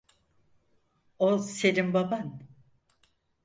O senin baban.